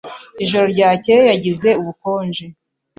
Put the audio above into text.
Ijoro ryakeye yagize ubukonje.